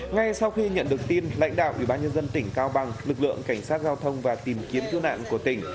ngay sau khi nhận được tin lãnh đạo ủy ban nhân dân tỉnh cao bằng lực lượng cảnh sát giao thông và tìm kiếm cứu nạn của tỉnh